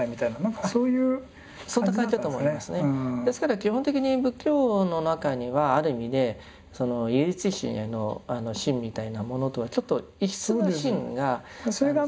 基本的に仏教の中にはある意味で唯一神への信みたいなものとはちょっと異質な信が存在してた。